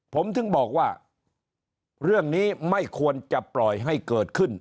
ผมถึงบอกว่าเรื่องนี้ไม่ควรจะปล่อยให้เกิดขึ้น